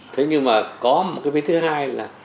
thế nhưng mà có một cái vấn đề thứ hai là